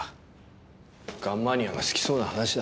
ガンマニアが好きそうな話だ。